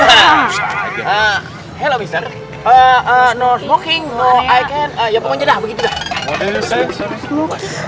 halo mister no smoking no eye can ya pokoknya dah begitu dah